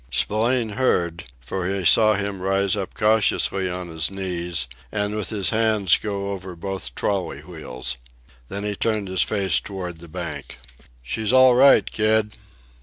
Spillane heard, for he saw him rise up cautiously on his knees, and with his hands go over both trolley wheels. Then he turned his face toward the bank. "She's all right, kid!"